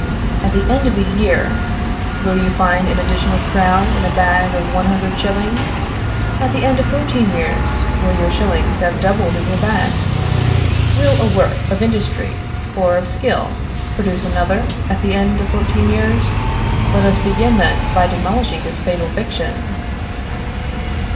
"At the end of a year, will you find an additional crown in a bag of one hundred shillings? At the end of fourteen years, will your shillings have doubled in your bag? "Will a work of industry or of skill produce another, at the end of fourteen years? "Let us begin, then, by demolishing this fatal fiction."